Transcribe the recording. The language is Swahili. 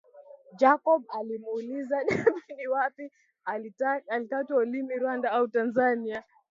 Jacob alimuuliza Debby ni wapi alikatwa ulimi Rwanda au Tanzania